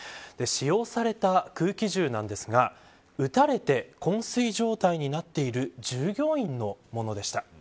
使用された空気銃ですが撃たれて昏睡状態になっている従業員のものでした。